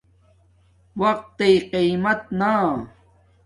وقت تݵ قہمت نا